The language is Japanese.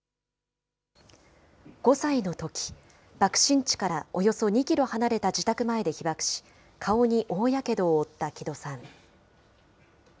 ５歳のとき、爆心地からおよそ２キロ離れた自宅前で被爆し、顔に大やけどを負った木戸さん。